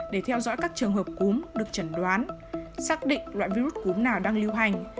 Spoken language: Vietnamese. để theo dõi các trường hợp cúm được chẩn đoán xác định loại virus cúm nào đang lưu hành